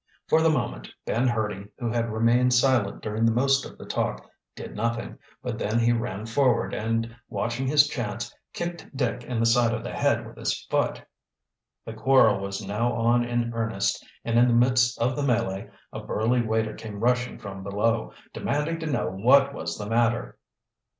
For the moment Ben Hurdy, who had remained silent during the most of the talk, did nothing, but then he ran forward, and watching his chance, kicked Dick in the side of the head with his foot. The quarrel was now on in earnest, and in the midst of the melee a burly waiter came rushing from below, demanding to know what was the matter.